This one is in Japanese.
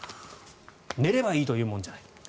寝ればいいというものじゃない。